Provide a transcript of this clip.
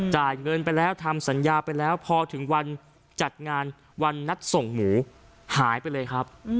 จ่ายเงินไปแล้วทำสัญญาไปแล้วพอถึงวันจัดงานวันนัดส่งหมูหายไปเลยครับ